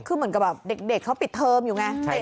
คือเหมือนกับแบบเด็กเขาปิดเทอมอยู่ไง